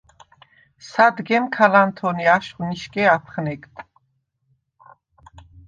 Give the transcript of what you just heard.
სადგემ ქა ლანთონე აშხვ ნიშგე აფხნეგდ: